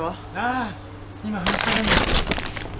あ今話しかけるな！